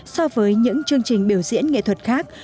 so với những chương trình biểu diễn nghệ thuật khác